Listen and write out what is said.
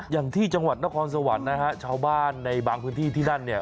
อย่างที่จังหวัดนครสวรรค์นะฮะชาวบ้านในบางพื้นที่ที่นั่นเนี่ย